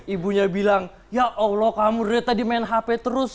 ibunya bilang ya allah kamu dari tadi main hp terus